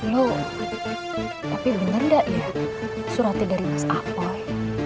lo tapi bener gak ya suratnya dari bang apoi